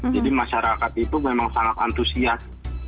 jadi masyarakat itu memang sangat antusias